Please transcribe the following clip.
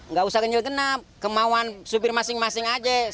nggak usah ganjil genap kemauan supir masing masing aja